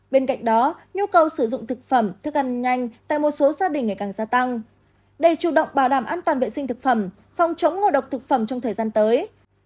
bên cạnh đó nhu cầu sử dụng thực phẩm thức ăn nhanh tại một số gia đình ngày càng gia tăng để chủ động bảo đảm an toàn vệ sinh thực phẩm phòng chống ngộ độc thực phẩm trong thời gian tới